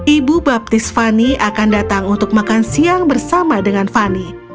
ibu baptis fani akan datang untuk makan siang bersama dengan fani